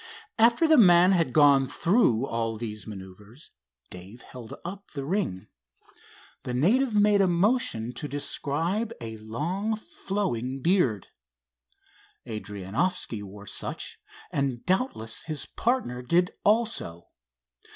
After the man had gone through all these manœuvers Dave held up the ring. The native made a motion to describe a long flowing beard. Adrianoffski wore such and doubtless his partner did also.